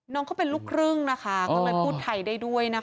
น้องเขาเป็นลูกครึ่งนะคะก็เลยพูดไทยได้ด้วยนะคะ